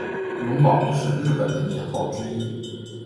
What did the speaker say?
永保是日本的年号之一。